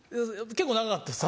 結構長かったです。